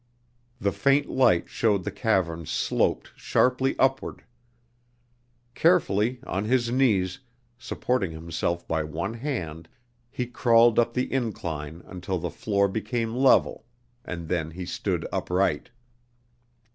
The faint light showed the cavern sloped sharply upward. Carefully, on his knees, supporting himself by one hand, he crawled up the incline until the floor became level and then he stood upright.